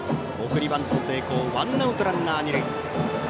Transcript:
送りバント成功ワンアウトランナー、二塁。